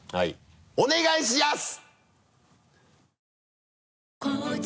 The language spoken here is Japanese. お願いしやす！